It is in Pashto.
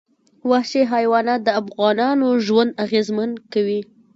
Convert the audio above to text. وحشي حیوانات د افغانانو ژوند اغېزمن کوي.